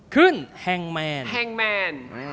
ขึ้นแฮงแมน